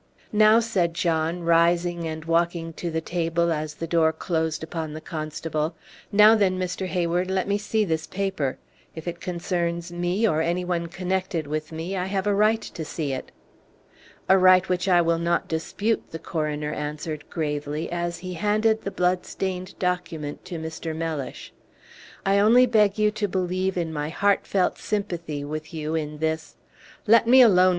"Now," said John, rising and walking to the table as the door closed upon the constable, "now, then, Mr. Hayward, let me see this paper. If it concerns me, or any one connected with me, I have a right to see it." "A right which I will not dispute," the coroner answered, gravely, as he handed the blood stained document to Mr. Mellish. "I only beg you to believe in my heart felt sympathy with you in this " "Let me alone!"